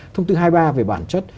thông tư hai mươi ba về bản chất